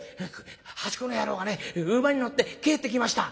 「八公の野郎がね馬に乗って帰ってきました」。